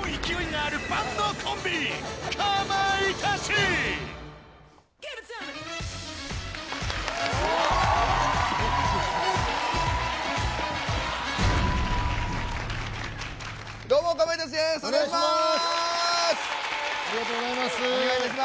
ありがとうございます。